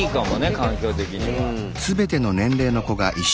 環境的には。